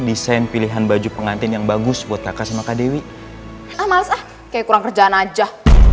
desain pilihan baju pengantin yang bagus buat kakak sama kak dewi ah males ah kayak kurang kerjaan aja